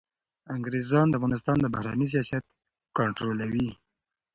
انګریزان د افغانستان بهرنی سیاست کنټرولوي.